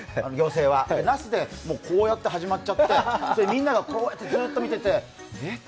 那須でこうやって始まっちゃって、みんながこうやってずっと見てて、えっ？